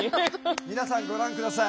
皆さんご覧下さい。